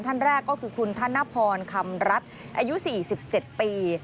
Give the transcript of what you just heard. ท่านแรกก็คือคุณท่านนัพพรคำรัตย์อายุ๔๗ปี